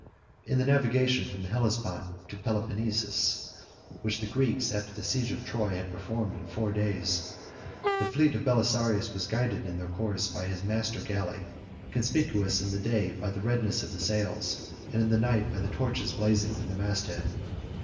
11 In the navigation from the Hellespont to Peloponnesus, which the Greeks, after the siege of Troy, had performed in four days, 12 the fleet of Belisarius was guided in their course by his master galley, conspicuous in the day by the redness of the sails, and in the night by the torches blazing from the mast head.